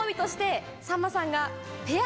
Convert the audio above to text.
さんまさんが。